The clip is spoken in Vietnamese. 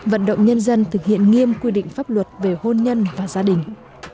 vận động nhân dân thực hiện nghiêm quy định pháp luật về hôn nhân và gia đình